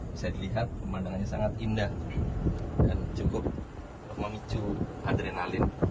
bisa dilihat pemandangannya sangat indah dan cukup memicu adrenalin